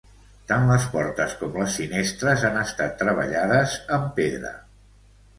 Tant les portes com les finestres han estat treballades amb pedra.